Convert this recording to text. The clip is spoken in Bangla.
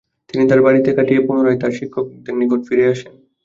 তিনি তার বাড়িতে কাটিয়ে পুনরায় তার শিক্ষকদের নিকট ফিরে আসেন।